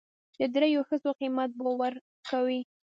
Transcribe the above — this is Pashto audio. د درېو ښځو قيمت به ور کوي.